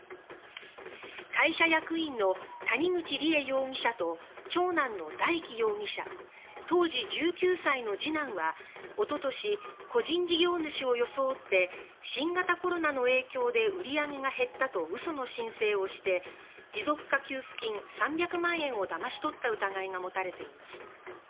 会社役員の谷口梨恵容疑者と長男の大祈容疑者当時１９歳の次男はおととし、個人事業主を装って新型コロナの影響で売り上げが減ったと嘘の申請をして持続化給付金３００万円をだまし取った疑いが持たれています。